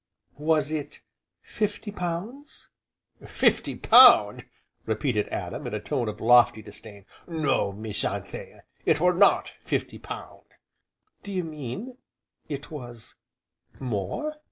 "Was it fifty pounds?" "Fifty pound!" repeated Adam, in a tone of lofty disdain, "no, Miss Anthea, it were not fifty pound." "Do you mean it was more?"